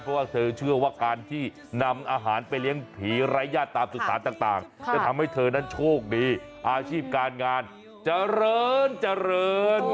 เพราะว่าเธอเชื่อว่าการที่นำอาหารไปเลี้ยงผีไร้ญาติตามสุสานต่างจะทำให้เธอนั้นโชคดีอาชีพการงานเจริญเจริญ